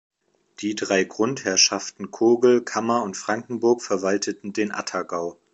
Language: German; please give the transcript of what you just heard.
Die drei Grundherrschaften Kogl, Kammer und Frankenburg verwalteten den Attergau.